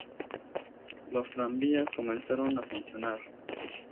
Los tranvías comenzaron a funcionar.